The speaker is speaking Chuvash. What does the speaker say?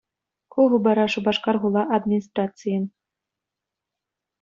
Ку хыпара Шупашкар хула администрацийӗн